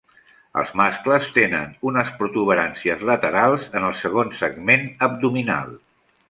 Els mascles tenen unes protuberàncies laterals en el segon segment abdominal.